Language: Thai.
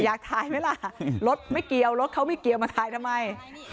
อยากถ่ายไหมล่ะรถไม่เกี่ยวรถเขาไม่เกี่ยวมาถ่ายทำไม